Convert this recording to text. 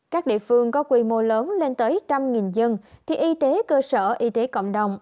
các địa phương có quy mô lớn lên tới một trăm linh dân thì y tế cơ sở y tế cộng đồng